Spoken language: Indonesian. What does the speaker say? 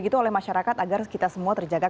begitu oleh masyarakat agar kita semua terjaga